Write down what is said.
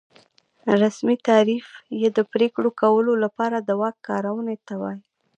رسمي تعریف یې د پرېکړو کولو لپاره د واک کارونې ته وایي.